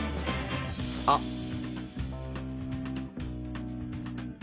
あっ。